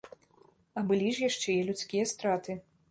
А былі ж яшчэ і людскія страты.